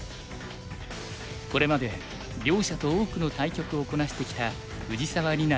これまで両者と多くの対局をこなしてきた藤沢里菜